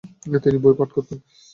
তিনি বই পাঠ করতেন।